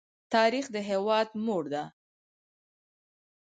تاریخ د هېواد مور ده.